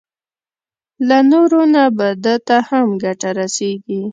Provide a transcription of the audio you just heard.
له نورو نه به ده ته هم ګټه رسېږي.